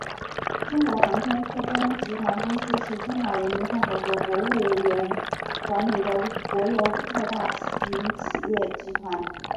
中国航天科工集团公司是中华人民共和国国务院管理的国有特大型企业集团。